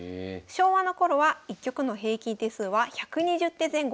昭和の頃は１局の平均手数は１２０手前後だったそうです。